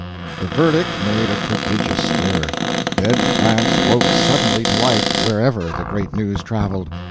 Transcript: The verdict made a prodigious stir. Dead France woke suddenly to life, wherever the great news traveled.